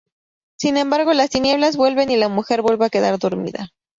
Sin embargo las tinieblas vuelven y la mujer vuelve a quedar dormida.